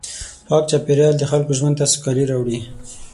پاک چاپېریال د خلکو ژوند ته سوکالي راوړي.